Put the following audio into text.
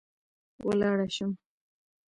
ولاړه شم